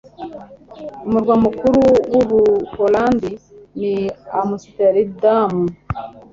Umurwa mukuru w'Ubuholandi ni Amsterdam.